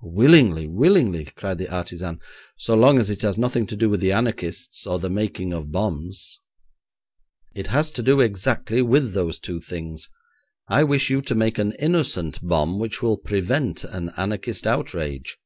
'Willingly, willingly,' cried the artisan, 'so long as it has nothing to do with the anarchists or the making of bombs.' 'It has to do exactly with those two things. I wish you to make an innocent bomb which will prevent an anarchist outrage.'